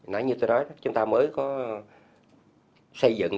nãy như tôi nói chúng ta mới có xây dựng cái nguồn lực